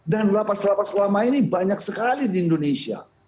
dan lapas lapas selama ini banyak sekali di indonesia